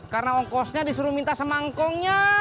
karena ongkosnya disuruh minta semangkongnya